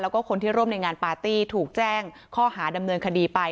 แล้วก็คนที่ร่วมในงานปาร์ตี้ถูกแจ้งข้อหาดำเนินคดีไป